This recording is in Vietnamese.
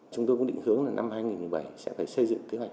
chúng tôi cũng định hướng là năm hai nghìn một mươi bảy sẽ phải xây dựng kế hoạch